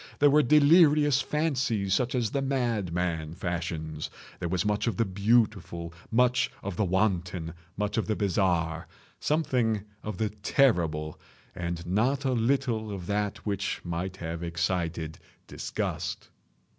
There were delirious fancies such as the madman fashions. There was much of the beautiful, much of the wanton, much of the bizarre, something of the terrible, and not a little of that which might have excited disgust.